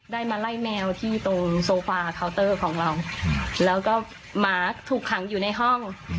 มาไล่แมวที่ตรงโซฟาเคาน์เตอร์ของเราแล้วก็หมาถูกขังอยู่ในห้อง